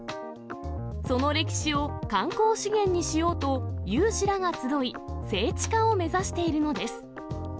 その歴史を観光資源にしようと、有志らが集い、聖地化を目指しているのです。